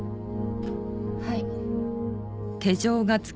はい。